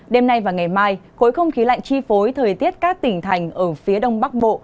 đêm nay và ngày mai khối không khí lạnh chi phối thời tiết các tỉnh thành ở phía đông bắc bộ